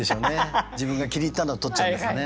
自分が気に入ったのを取っちゃうんですよね。